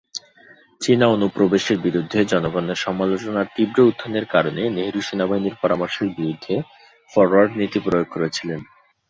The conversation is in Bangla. চীনা অনুপ্রবেশের বিরুদ্ধে জনগণের সমালোচনার তীব্র উত্থানের কারণে নেহেরু সেনাবাহিনীর পরামর্শের বিরুদ্ধে "ফরওয়ার্ড নীতি" প্রয়োগ করেছিলেন।